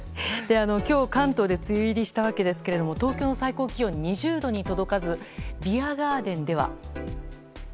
今日、関東で梅雨入りしたわけですが東京の最高気温２０度に届かずビアガーデンでは。